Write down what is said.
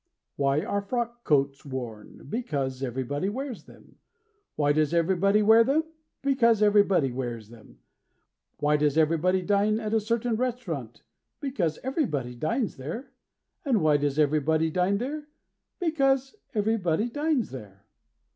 Why are frock coats worn? Because Everybody wears them. Why does Everybody wear them? Because Everybody wears them. Why does Everybody dine at a certain restaurant? Because Everybody dines there. Why does Everybody dine there? Because Everybody dines there.